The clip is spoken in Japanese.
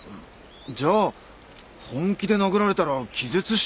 じゃあ本気で殴られたら気絶しちゃいますよ。